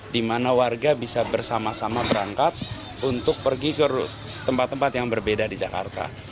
di mana warga bisa bersama sama berangkat untuk pergi ke tempat tempat yang berbeda di jakarta